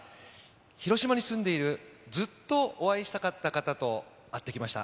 広島に住んでいるずっとお会いしたかった方と会ってきました。